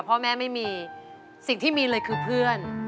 พ่อแม่ไม่มีสิ่งที่มีเลยคือเพื่อน